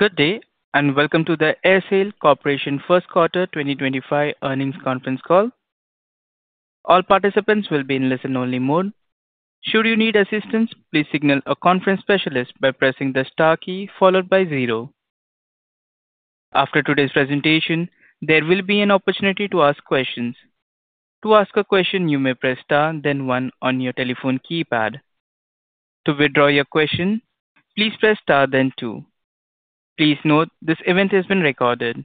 Good day, and welcome to the AerSale Corporation First Quarter 2025 Earnings Conference Call. All participants will be in listen-only mode. Should you need assistance, please signal a conference specialist by pressing the star key followed by zero. After today's presentation, there will be an opportunity to ask questions. To ask a question, you may press star then one on your telephone keypad. To withdraw your question, please press star then two. Please note this event has been recorded.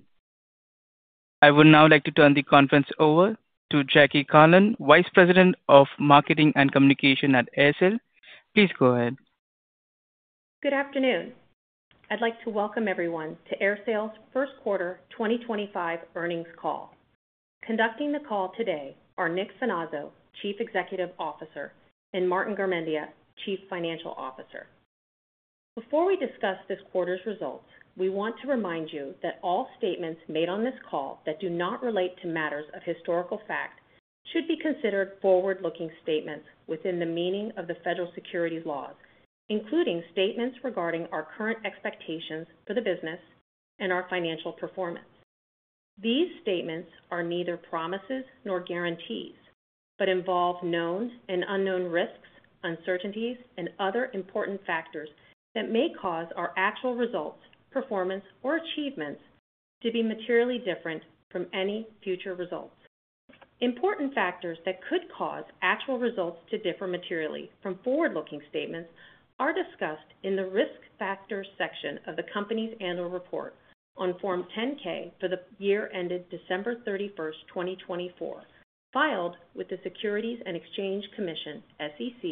I would now like to turn the conference over to Jackie Carlon, Vice President of Marketing and Communication at AerSale. Please go ahead. Good afternoon. I'd like to welcome everyone to AerSale's First Quarter 2025 Earnings Call. Conducting the call today are Nick Finazzo, Chief Executive Officer, and Martin Garmendia, Chief Financial Officer. Before we discuss this quarter's results, we want to remind you that all statements made on this call that do not relate to matters of historical fact should be considered forward-looking statements within the meaning of the federal securities laws, including statements regarding our current expectations for the business and our financial performance. These statements are neither promises nor guarantees but involve known and unknown risks, uncertainties, and other important factors that may cause our actual results, performance, or achievements to be materially different from any future results. Important factors that could cause actual results to differ materially from forward-looking statements are discussed in the risk factors section of the company's annual report on Form 10-K for the year ended December 31, 2024, filed with the Securities and Exchange Commission, SEC,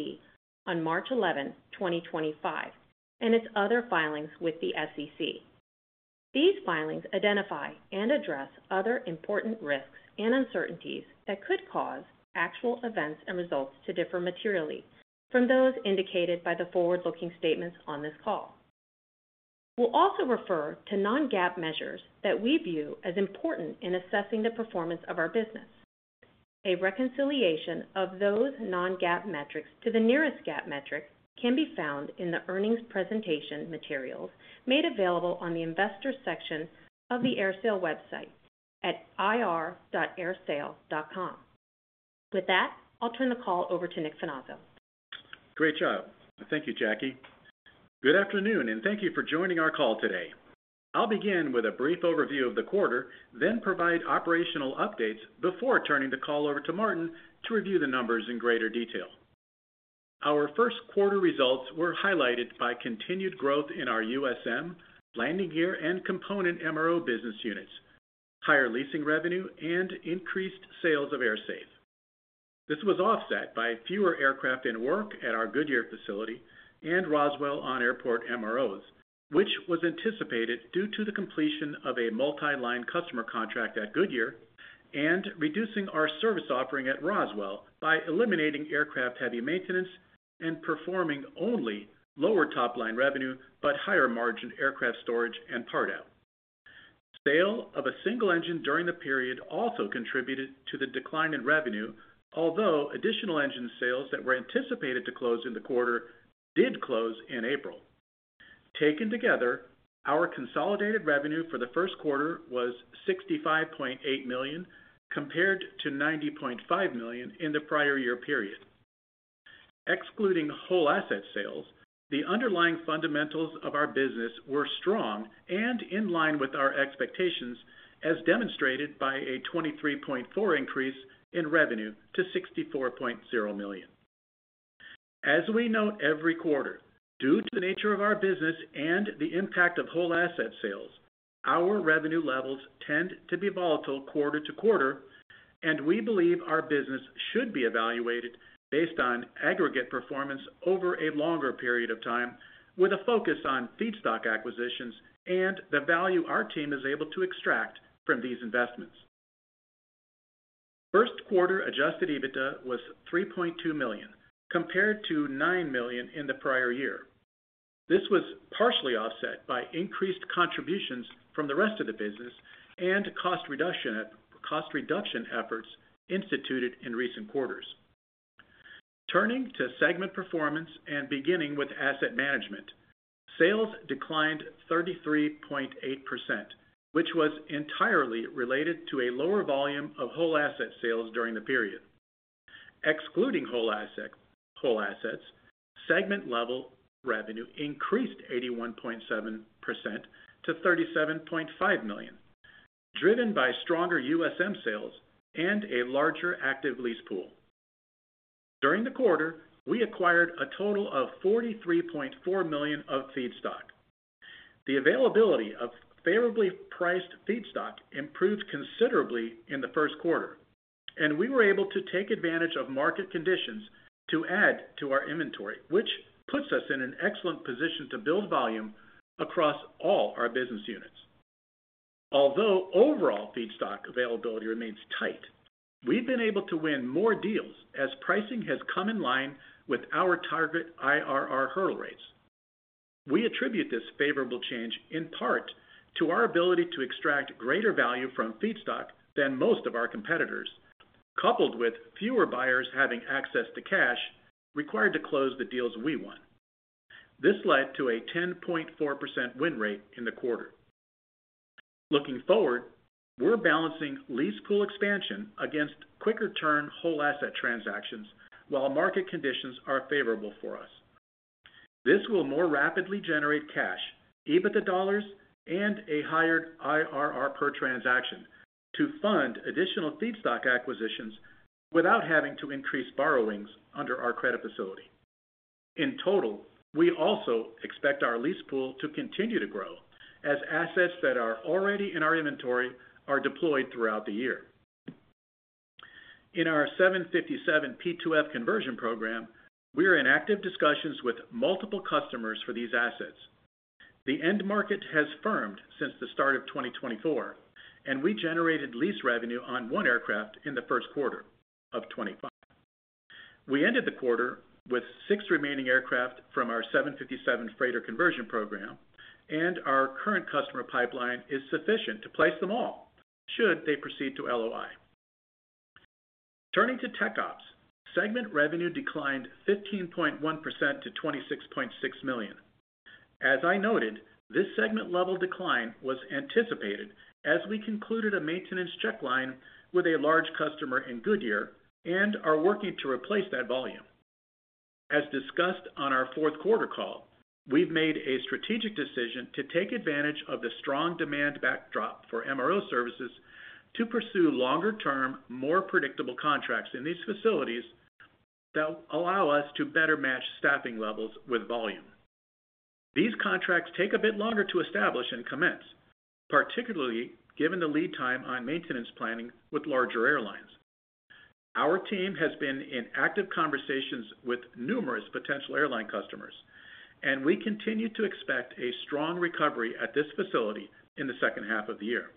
on March 11, 2025, and its other filings with the SEC. These filings identify and address other important risks and uncertainties that could cause actual events and results to differ materially from those indicated by the forward-looking statements on this call. We'll also refer to non-GAAP measures that we view as important in assessing the performance of our business. A reconciliation of those non-GAAP metrics to the nearest GAAP metric can be found in the earnings presentation materials made available on the investor section of the AerSale website at ir.aersale.com. With that, I'll turn the call over to Nick Finazzo. Great job. Thank you, Jackie. Good afternoon, and thank you for joining our call today. I'll begin with a brief overview of the quarter, then provide operational updates before turning the call over to Martin to review the numbers in greater detail. Our first quarter results were highlighted by continued growth in our USM, landing gear, and component MRO business units, higher leasing revenue, and increased sales of AerSafe. This was offset by fewer aircraft in work at our Goodyear facility and Roswell on-airport MRO, which was anticipated due to the completion of a multi-line customer contract at Goodyear and reducing our service offering at Roswell by eliminating aircraft heavy maintenance and performing only lower top-line revenue but higher margin aircraft storage and part-out. Sale of a single engine during the period also contributed to the decline in revenue, although additional engine sales that were anticipated to close in the quarter did close in April. Taken together, our consolidated revenue for the first quarter was $65.8 million compared to $90.5 million in the prior year period. Excluding whole asset sales, the underlying fundamentals of our business were strong and in line with our expectations, as demonstrated by a $23.4 million increase in revenue to $64.0 million. As we note every quarter, due to the nature of our business and the impact of whole asset sales, our revenue levels tend to be volatile quarter to quarter, and we believe our business should be evaluated based on aggregate performance over a longer period of time, with a focus on feedstock acquisitions and the value our team is able to extract from these investments. First quarter adjusted EBITDA was $3.2 million compared to $9 million in the prior year. This was partially offset by increased contributions from the rest of the business and cost reduction efforts instituted in recent quarters. Turning to segment performance and beginning with asset management, sales declined 33.8%, which was entirely related to a lower volume of whole asset sales during the period. Excluding whole assets, segment-level revenue increased 81.7% to $37.5 million, driven by stronger USM sales and a larger active lease pool. During the quarter, we acquired a total of $43.4 million of feedstock. The availability of favorably priced feedstock improved considerably in the first quarter, and we were able to take advantage of market conditions to add to our inventory, which puts us in an excellent position to build volume across all our business units. Although overall feedstock availability remains tight, we've been able to win more deals as pricing has come in line with our target IRR hurdle rates. We attribute this favorable change in part to our ability to extract greater value from feedstock than most of our competitors, coupled with fewer buyers having access to cash required to close the deals we won. This led to a 10.4% win rate in the quarter. Looking forward, we're balancing lease pool expansion against quicker-turn whole asset transactions while market conditions are favorable for us. This will more rapidly generate cash, EBITDA dollars, and a higher IRR per transaction to fund additional feedstock acquisitions without having to increase borrowings under our credit facility. In total, we also expect our lease pool to continue to grow as assets that are already in our inventory are deployed throughout the year. In our 757 P2F conversion program, we are in active discussions with multiple customers for these assets. The end market has firmed since the start of 2024, and we generated lease revenue on one aircraft in the first quarter of 2025. We ended the quarter with six remaining aircraft from our 757 freighter conversion program, and our current customer pipeline is sufficient to place them all should they proceed to LOI. Turning to tech ops, segment revenue declined 15.1% to $26.6 million. As I noted, this segment-level decline was anticipated as we concluded a maintenance check line with a large customer in Goodyear and are working to replace that volume. As discussed on our fourth quarter call, we've made a strategic decision to take advantage of the strong demand backdrop for MRO services to pursue longer-term, more predictable contracts in these facilities that allow us to better match staffing levels with volume. These contracts take a bit longer to establish and commence, particularly given the lead time on maintenance planning with larger airlines. Our team has been in active conversations with numerous potential airline customers, and we continue to expect a strong recovery at this facility in the second half of the year.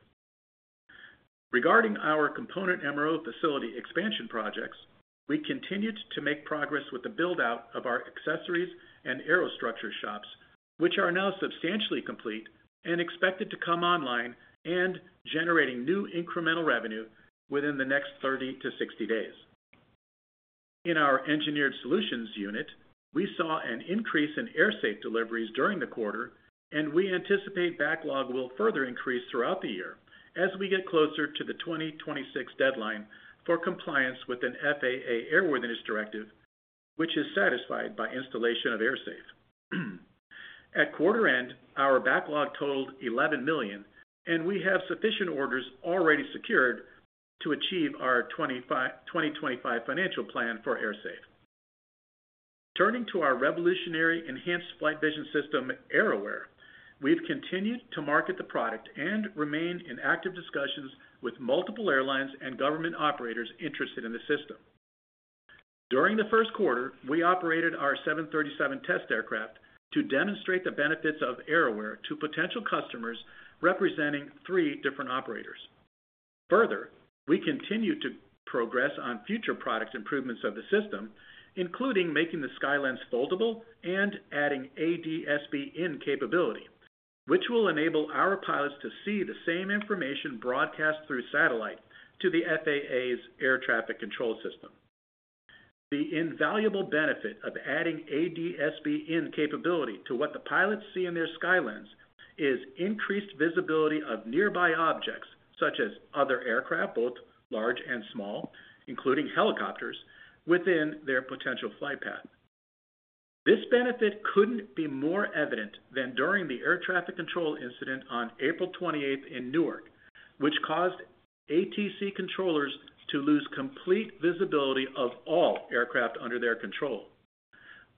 Regarding our component MRO facility expansion projects, we continued to make progress with the build-out of our accessories and aero structure shops, which are now substantially complete and expected to come online and generating new incremental revenue within the next 30-60 days. In our engineered solutions unit, we saw an increase in AerSafe deliveries during the quarter, and we anticipate backlog will further increase throughout the year as we get closer to the 2026 deadline for compliance with an FAA airworthiness directive, which is satisfied by installation of AerSafe. At quarter end, our backlog totaled $11 million, and we have sufficient orders already secured to achieve our 2025 financial plan for AerSafe. Turning to our revolutionary enhanced flight vision system, AerWare, we've continued to market the product and remain in active discussions with multiple airlines and government operators interested in the system. During the first quarter, we operated our 737 test aircraft to demonstrate the benefits of AerWare to potential customers representing three different operators. Further, we continue to progress on future product improvements of the system, including making the SkyLens foldable and adding ADS-B in capability, which will enable our pilots to see the same information broadcast through satellite to the FAA's air traffic control system. The invaluable benefit of adding ADS-B in capability to what the pilots see in their SkyLens is increased visibility of nearby objects such as other aircraft, both large and small, including helicopters, within their potential flight path. This benefit could not be more evident than during the air traffic control incident on April 28 in Newark, which caused ATC controllers to lose complete visibility of all aircraft under their control.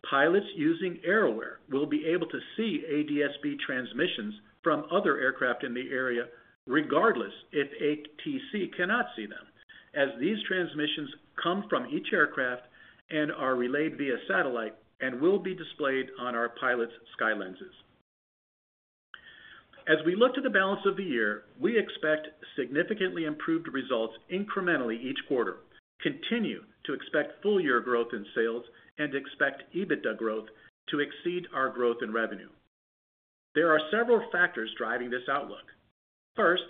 Pilots using AerWare will be able to see ADS-B transmissions from other aircraft in the area, regardless if ATC cannot see them, as these transmissions come from each aircraft and are relayed via satellite and will be displayed on our pilots' SkyLenses. As we look to the balance of the year, we expect significantly improved results incrementally each quarter, continue to expect full-year growth in sales, and expect EBITDA growth to exceed our growth in revenue. There are several factors driving this outlook. First,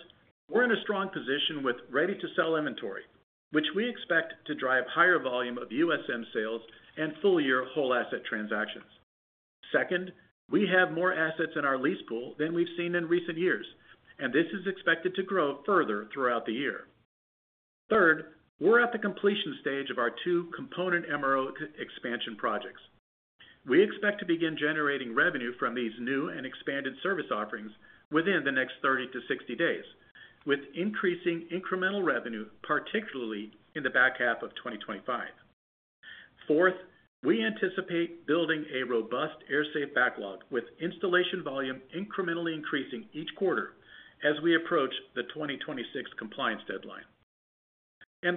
we're in a strong position with ready-to-sell inventory, which we expect to drive higher volume of USM sales and full-year whole asset transactions. Second, we have more assets in our lease pool than we've seen in recent years, and this is expected to grow further throughout the year. Third, we're at the completion stage of our two component MRO expansion projects. We expect to begin generating revenue from these new and expanded service offerings within the next 30-60 days, with increasing incremental revenue, particularly in the back half of 2025. Fourth, we anticipate building a robust AerSafe backlog with installation volume incrementally increasing each quarter as we approach the 2026 compliance deadline.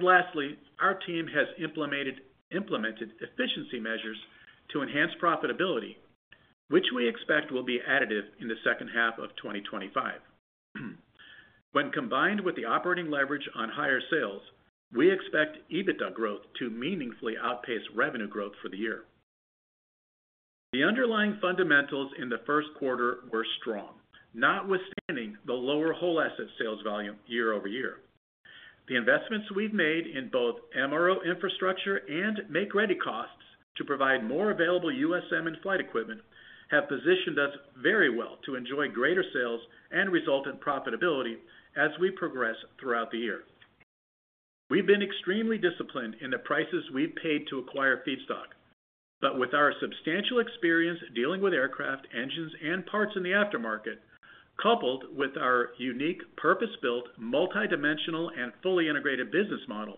Lastly, our team has implemented efficiency measures to enhance profitability, which we expect will be additive in the second half of 2025. When combined with the operating leverage on higher sales, we expect EBITDA growth to meaningfully outpace revenue growth for the year. The underlying fundamentals in the first quarter were strong, notwithstanding the lower whole asset sales volume year-over-year. The investments we've made in both MRO infrastructure and make-ready costs to provide more available USM and flight equipment have positioned us very well to enjoy greater sales and resultant profitability as we progress throughout the year. We've been extremely disciplined in the prices we've paid to acquire feedstock, but with our substantial experience dealing with aircraft, engines, and parts in the aftermarket, coupled with our unique purpose-built multidimensional and fully integrated business model,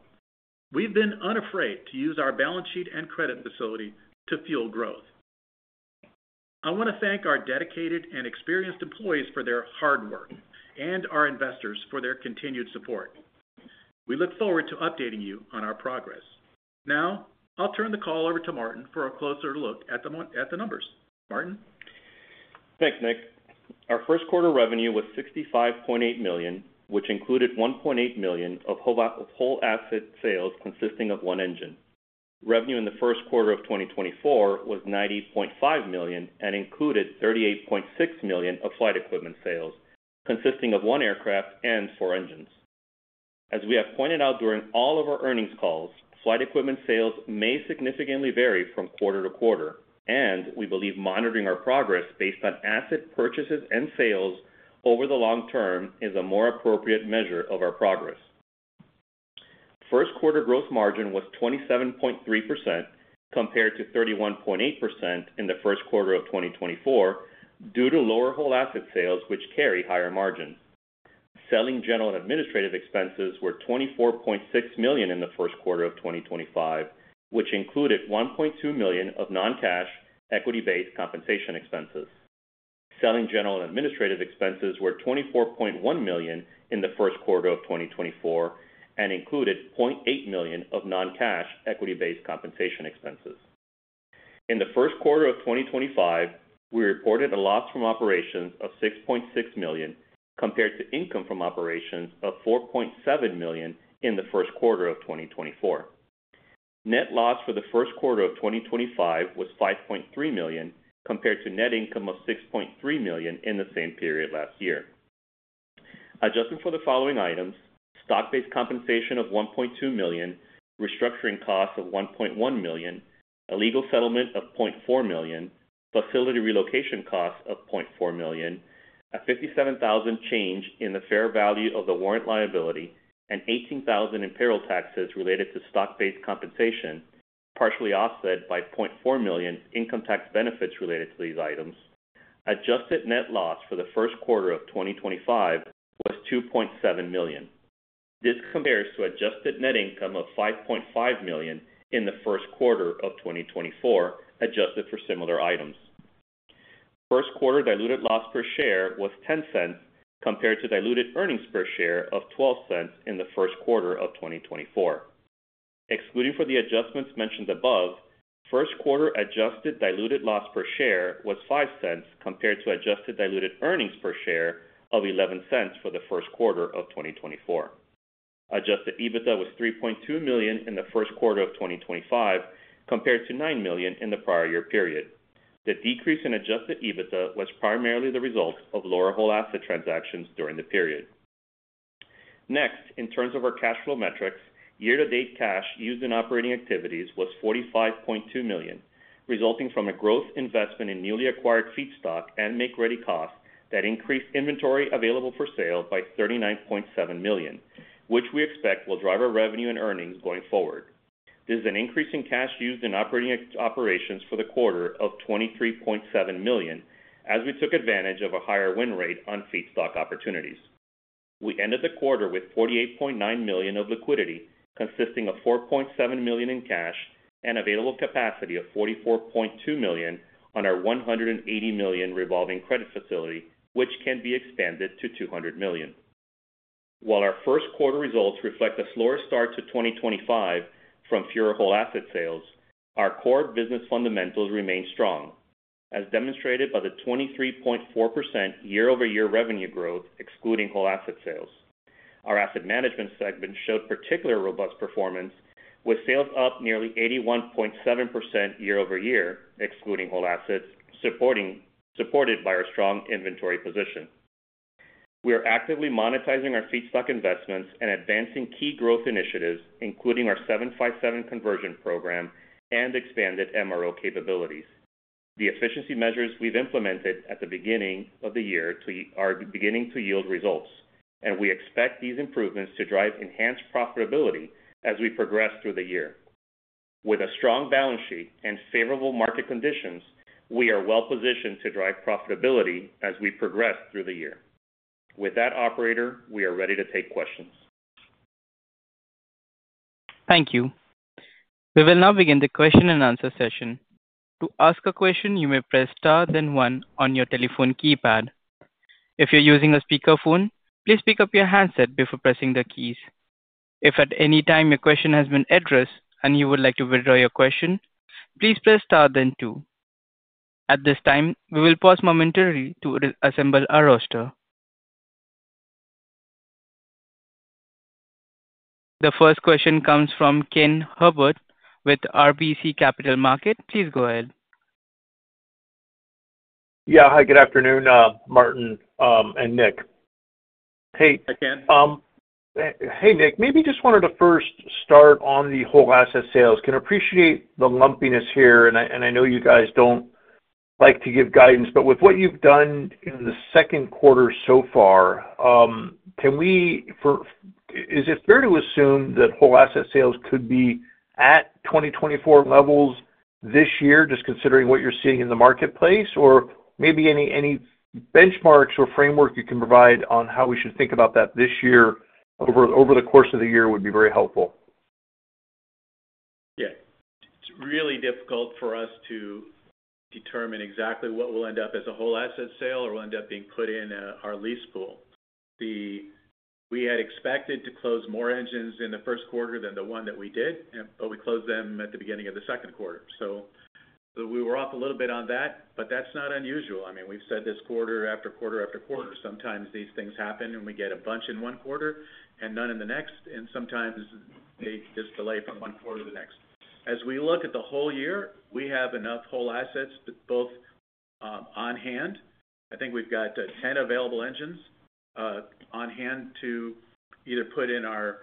we've been unafraid to use our balance sheet and credit facility to fuel growth. I want to thank our dedicated and experienced employees for their hard work and our investors for their continued support. We look forward to updating you on our progress. Now, I'll turn the call over to Martin for a closer look at the numbers. Martin? Thanks, Nick. Our first quarter revenue was $65.8 million, which included $1.8 million of whole asset sales consisting of one engine. Revenue in the first quarter of 2024 was $90.5 million and included $38.6 million of flight equipment sales, consisting of one aircraft and four engines. As we have pointed out during all of our earnings calls, flight equipment sales may significantly vary from quarter to quarter, and we believe monitoring our progress based on asset purchases and sales over the long term is a more appropriate measure of our progress. First quarter gross margin was 27.3% compared to 31.8% in the first quarter of 2024 due to lower whole asset sales, which carry higher margins. Selling, general and administrative expenses were $24.6 million in the first quarter of 2025, which included $1.2 million of non-cash equity-based compensation expenses. Selling general and administrative expenses were $24.1 million in the first quarter of 2024 and included $0.8 million of non-cash equity-based compensation expenses. In the first quarter of 2025, we reported a loss from operations of $6.6 million compared to income from operations of $4.7 million in the first quarter of 2024. Net loss for the first quarter of 2025 was $5.3 million compared to net income of $6.3 million in the same period last year. Adjusting for the following items: stock-based compensation of $1.2 million, restructuring costs of $1.1 million, a legal settlement of $0.4 million, facility relocation costs of $0.4 million, a $57,000 change in the fair value of the warrant liability, and $18,000 in payroll taxes related to stock-based compensation, partially offset by $0.4 million income tax benefits related to these items. Adjusted net loss for the first quarter of 2025 was $2.7 million. This compares to adjusted net income of $5.5 million in the first quarter of 2024, adjusted for similar items. First quarter diluted loss per share was $0.10 compared to diluted earnings per share of $0.12 in the first quarter of 2024. Excluding for the adjustments mentioned above, first quarter adjusted diluted loss per share was $0.05 compared to adjusted diluted earnings per share of $0.11 for the first quarter of 2024. Adjusted EBITDA was $3.2 million in the first quarter of 2025 compared to $9 million in the prior year period. The decrease in adjusted EBITDA was primarily the result of lower whole asset transactions during the period. Next, in terms of our cash flow metrics, year-to-date cash used in operating activities was $45.2 million, resulting from a growth investment in newly acquired feedstock and make-ready costs that increased inventory available for sale by $39.7 million, which we expect will drive our revenue and earnings going forward. This is an increase in cash used in operating operations for the quarter of $23.7 million as we took advantage of a higher win rate on feedstock opportunities. We ended the quarter with $48.9 million of liquidity, consisting of $4.7 million in cash and available capacity of $44.2 million on our $180 million revolving credit facility, which can be expanded to $200 million. While our first quarter results reflect a slower start to 2025 from fewer whole asset sales, our core business fundamentals remained strong, as demonstrated by the 23.4% year-over-year revenue growth, excluding whole asset sales. Our asset management segment showed particular robust performance, with sales up nearly 81.7% year-over-year, excluding whole assets, supported by our strong inventory position. We are actively monetizing our feedstock investments and advancing key growth initiatives, including our 757 conversion program and expanded MRO capabilities. The efficiency measures we've implemented at the beginning of the year are beginning to yield results, and we expect these improvements to drive enhanced profitability as we progress through the year. With a strong balance sheet and favorable market conditions, we are well-positioned to drive profitability as we progress through the year. With that, operator, we are ready to take questions. Thank you. We will now begin the question and answer session. To ask a question, you may press star then one on your telephone keypad. If you're using a speakerphone, please pick up your handset before pressing the keys. If at any time your question has been addressed and you would like to withdraw your question, please press star then two. At this time, we will pause momentarily to assemble our roster. The first question comes from Ken Herbert with RBC Capital Markets. Please go ahead. Yeah. Hi, good afternoon, Martin and Nick. Hey. I can. Hey, Nick. Maybe just wanted to first start on the whole asset sales. Can appreciate the lumpiness here, and I know you guys don't like to give guidance, but with what you've done in the second quarter so far, is it fair to assume that whole asset sales could be at 2024 levels this year, just considering what you're seeing in the marketplace? Or maybe any benchmarks or framework you can provide on how we should think about that this year over the course of the year would be very helpful. Yeah. It's really difficult for us to determine exactly what will end up as a whole asset sale or will end up being put in our lease pool. We had expected to close more engines in the first quarter than the one that we did, but we closed them at the beginning of the second quarter. We were off a little bit on that, but that's not unusual. I mean, we've said this quarter after quarter after quarter. Sometimes these things happen, and we get a bunch in one quarter and none in the next, and sometimes they just delay from one quarter to the next. As we look at the whole year, we have enough whole assets both on hand. I think we've got 10 available engines on hand to either put in our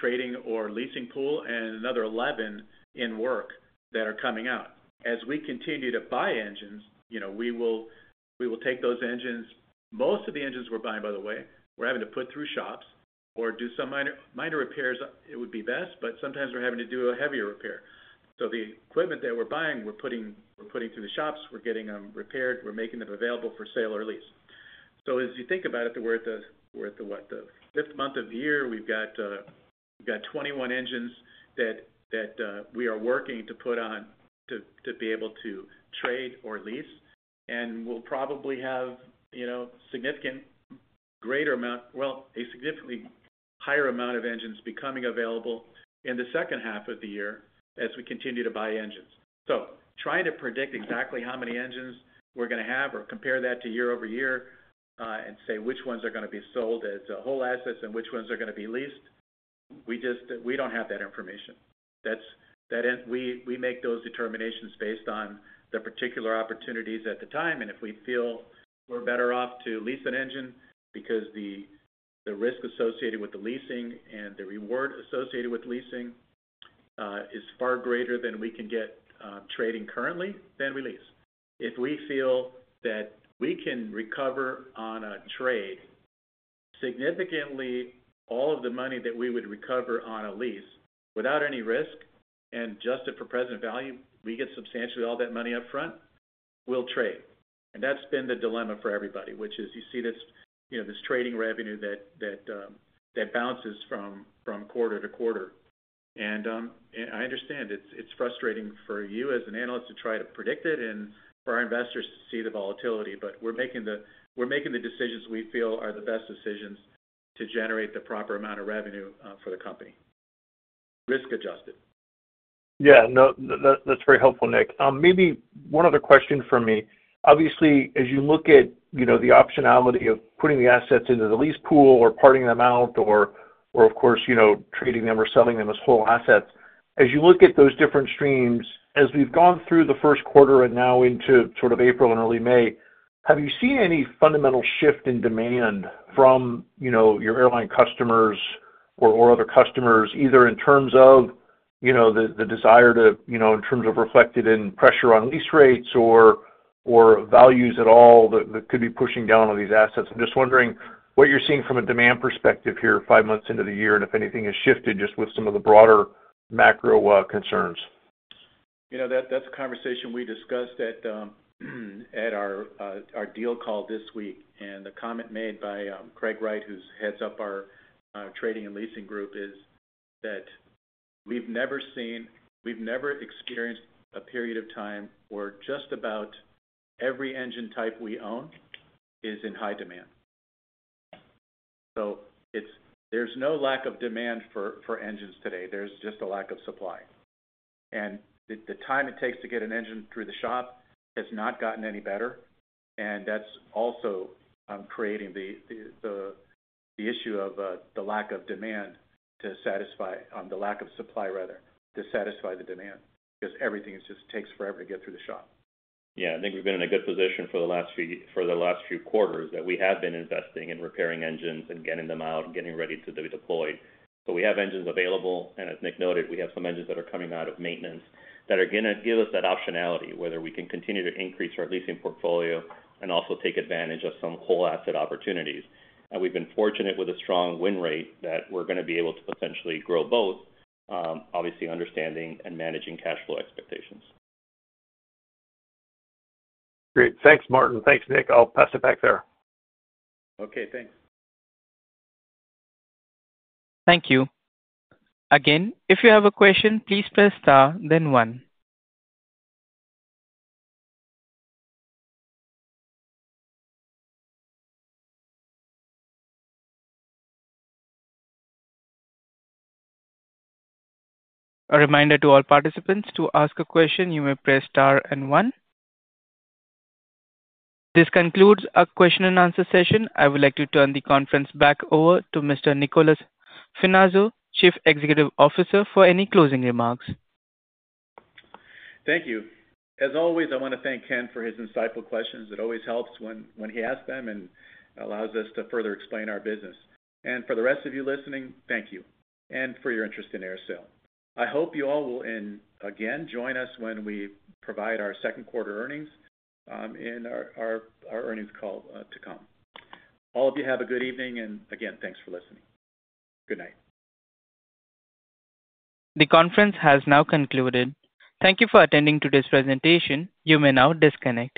trading or leasing pool and another 11 in work that are coming out. As we continue to buy engines, we will take those engines. Most of the engines we're buying, by the way, we're having to put through shops or do some minor repairs. It would be best, but sometimes we're having to do a heavier repair. The equipment that we're buying, we're putting through the shops. We're getting them repaired. We're making them available for sale or lease. As you think about it, we're at the fifth month of the year. We've got 21 engines that we are working to put on to be able to trade or lease, and we'll probably have a significantly higher amount of engines becoming available in the second half of the year as we continue to buy engines. Trying to predict exactly how many engines we're going to have or compare that to year-over-year and say which ones are going to be sold as whole assets and which ones are going to be leased, we don't have that information. We make those determinations based on the particular opportunities at the time, and if we feel we're better off to lease an engine because the risk associated with the leasing and the reward associated with leasing is far greater than we can get trading currently, then we lease. If we feel that we can recover on a trade significantly all of the money that we would recover on a lease without any risk and just it for present value, we get substantially all that money upfront, we'll trade. That's been the dilemma for everybody, which is you see this trading revenue that bounces from quarter to quarter. I understand it's frustrating for you as an analyst to try to predict it and for our investors to see the volatility, but we're making the decisions we feel are the best decisions to generate the proper amount of revenue for the company, risk-adjusted. Yeah. No, that's very helpful, Nick. Maybe one other question for me. Obviously, as you look at the optionality of putting the assets into the lease pool or parting them out or, of course, trading them or selling them as whole assets, as you look at those different streams, as we've gone through the first quarter and now into sort of April and early May, have you seen any fundamental shift in demand from your airline customers or other customers, either in terms of the desire to, in terms of reflected in pressure on lease rates or values at all that could be pushing down on these assets? I'm just wondering what you're seeing from a demand perspective here five months into the year and if anything has shifted just with some of the broader macro concerns. That's a conversation we discussed at our deal call this week, and the comment made by Craig Wright, who heads up our trading and leasing group, is that we've never seen, we've never experienced a period of time where just about every engine type we own is in high demand. There is no lack of demand for engines today. There is just a lack of supply. The time it takes to get an engine through the shop has not gotten any better, and that is also creating the issue of the lack of supply to satisfy the demand because everything just takes forever to get through the shop. Yeah. I think we've been in a good position for the last few quarters that we have been investing in repairing engines and getting them out and getting ready to be deployed. We have engines available, and as Nick noted, we have some engines that are coming out of maintenance that are going to give us that optionality whether we can continue to increase our leasing portfolio and also take advantage of some whole asset opportunities. We've been fortunate with a strong win rate that we're going to be able to potentially grow both, obviously understanding and managing cash flow expectations. Great. Thanks, Martin. Thanks, Nick. I'll pass it back there. Okay. Thanks. Thank you. Again, if you have a question, please press star then one. A reminder to all participants to ask a question. You may press star and one. This concludes our question and answer session. I would like to turn the conference back over to Mr. Nicolas Finazzo, Chief Executive Officer, for any closing remarks. Thank you. As always, I want to thank Ken for his insightful questions. It always helps when he asks them and allows us to further explain our business. For the rest of you listening, thank you and for your interest in AerSale. I hope you all will, again, join us when we provide our second quarter earnings in our earnings call to come. All of you have a good evening, and again, thanks for listening. Good night. The conference has now concluded. Thank you for attending today's presentation. You may now disconnect.